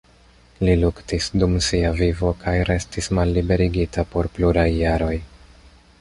Li luktis dum sia vivo kaj restis malliberigita por pluraj jaroj.